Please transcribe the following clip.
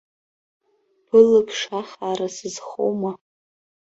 Былаԥш ахаара сызхоума?